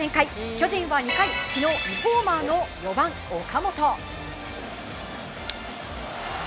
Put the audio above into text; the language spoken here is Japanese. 巨人は２回、昨日２ホーマーの４番、岡本。